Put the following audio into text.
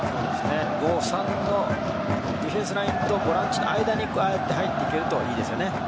５−３のディフェンスラインとボランチの間にああやって入っていけるといいですね。